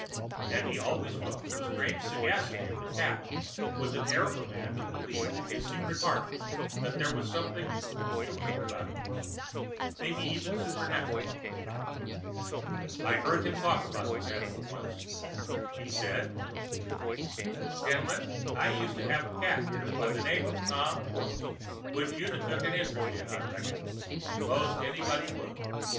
And he always spoke of the strange sagacity of that cat with the air of a man who believed in his secret heart that there was something human about it—maybe even supernatural. I heard him talking about this animal once. He said: "Gentlemen, I used to have a cat here, by the name of Tom Quartz, which you'd 'a' took an interest in, I reckon—, most anybody would.